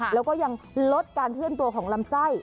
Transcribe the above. แล้วก็ยังลดการเคลื่อนตัวของลำไส้